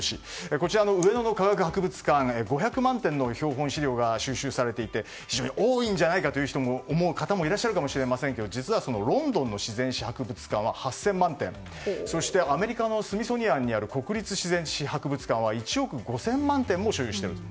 こちらの上野の科学博物館５００万点の標本・資料が収集されていて非常に多いと思う方もいらっしゃるかもしれませんが実はロンドンの自然史博物館は８０００万点そしてアメリカのスミソニアンにある国立自然史博物館は１億５０００万点も所有していると。